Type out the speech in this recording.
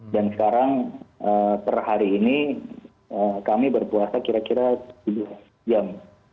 dan sekarang per hari ini kami berpuasa kira kira tujuh belas jam